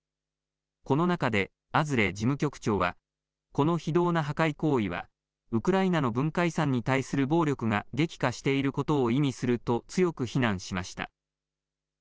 この中でアズレ事務局長はこの非道な破壊行為はウクライナの文化遺産に対する暴力が激化していることを意味すると強く非難しました。